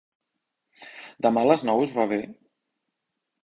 Demà a les nou us va bé?